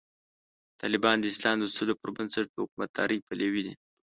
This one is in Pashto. طالبان د اسلام د اصولو پر بنسټ د حکومتدارۍ پلوي دي.